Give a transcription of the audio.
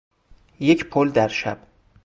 یک پل در شب